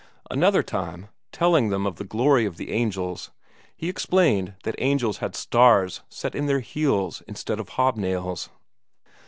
Another time, telling them of the glory of the angels, he explained that angels had stars set in their heels instead of hob nails.